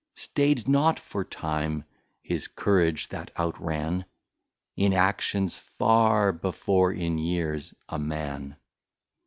Stayd not for Time, his Courage that out ran In Actions, far before in Years, a Man.